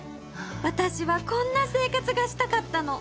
私はこんな生活がしたかったの！